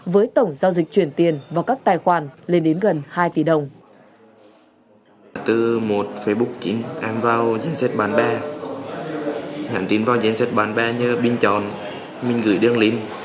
với tổng giao dịch chuyển tiền vào các tài khoản lên đến gần hai tỷ đồng